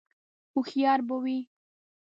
_هوښيار به وي؟